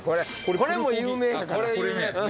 これ有名ですね。